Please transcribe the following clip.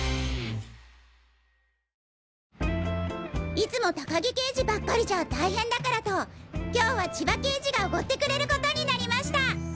「いつも高木刑事ばっかりじゃ大変だからと今日は千葉刑事がおごってくれることになりました」。